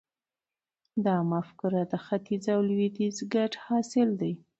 دا مفکوره د ختیځ او لویدیځ ګډ حاصل دی.